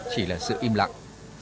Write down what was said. chỉ là sự im lặng